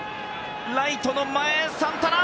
ライトの前、サンタナ！